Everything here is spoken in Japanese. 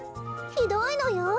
ひどいのよ。